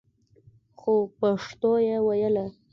خو پښتو يې ويله.